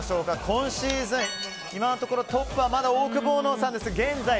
今シーズン、今のところトップはまだオオクボーノさんです。